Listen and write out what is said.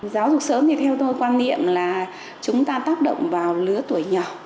giáo dục sớm thì theo tôi quan niệm là chúng ta tác động vào lứa tuổi nhỏ